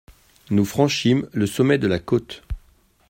Nous franchîmes le sommet de la côte.